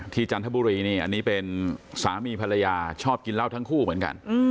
จันทบุรีนี่อันนี้เป็นสามีภรรยาชอบกินเหล้าทั้งคู่เหมือนกัน